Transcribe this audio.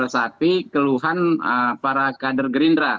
tapi keluhan para kader gerindra